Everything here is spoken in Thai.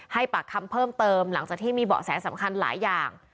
ปากคำเพิ่มเติมหลังจากที่มีเบาะแสสำคัญหลายอย่าง